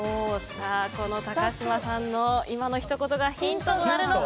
この高嶋さんの今のひと言がヒントとなるのか。